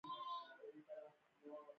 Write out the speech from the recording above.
دوی باید توکي له پور ورکوونکي هېواد څخه واخلي